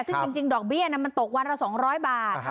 ซึ่งจริงดอกเบี้ยมันตกวันละ๒๐๐บาท